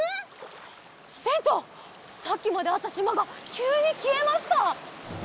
せんちょうさっきまであったしまがきゅうにきえました！